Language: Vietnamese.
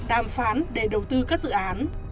đàm phán để đầu tư các dự án